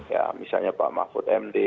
ya misalnya pak mahfud md